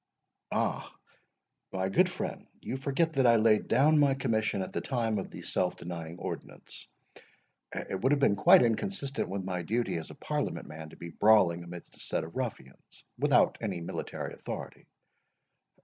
"Ah, my good friend, you forget that I laid down my commission at the time of the self denying ordinance. It would have been quite inconsistent with my duty as a Parliament man to be brawling amidst a set of ruffians, without any military authority.